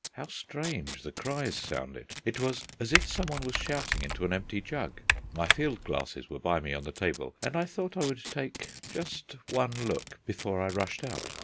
How strange the cries sounded! It was as if someone was shouting into an empty jug. My field glasses were by me on the table, and I thought I would take just one look before I rushed out.